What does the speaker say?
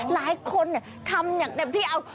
หลายคนทำอย่างเต็มที่เอา